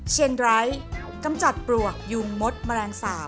เช่นไรกำจัดปลวกยูงมดมะรางสาบ